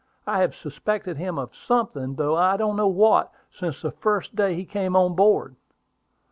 I have suspected him of something, though I don't know what, since the first day he came on board.